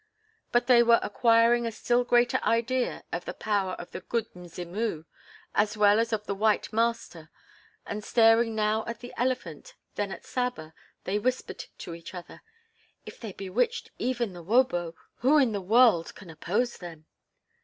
But they were acquiring a still greater idea of the power of the "Good Mzimu," as well as of the white master, and, staring now at the elephant then at Saba, they whispered to each other: "If they bewitched even the 'wobo' who in the world can oppose them?"